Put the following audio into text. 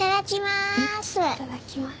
いただきます！